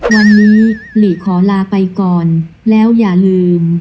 วันนี้หลีขอลาไปก่อนแล้วอย่าลืม